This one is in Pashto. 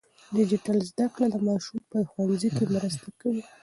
ډیجیټل زده کړه ماشومان په ښوونځي کې مرسته کوي.